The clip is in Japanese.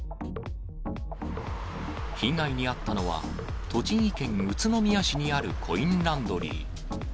被害に遭ったのは栃木県宇都宮市にあるコインランドリー。